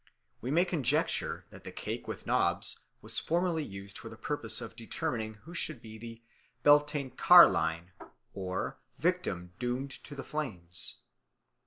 We may conjecture that the cake with knobs was formerly used for the purpose of determining who should be the "Beltane carline" or victim doomed to the flames.